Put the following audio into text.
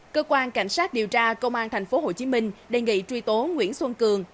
cơ quan cảnh sát điều tra công an thành phố hồ chí minh đề nghị truy tố nguyễn xuân cường